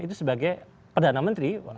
itu sebagai perdana menteri